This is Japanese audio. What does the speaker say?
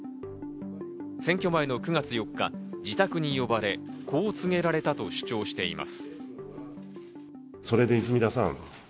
選挙前の９月４日、自宅に呼ばれ、こう告げられたと主張しています。